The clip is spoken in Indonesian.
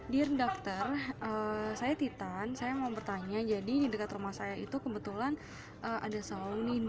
dear doctor saya titan saya mau bertanya jadi di dekat rumah saya itu kebetulan ada selalu nindo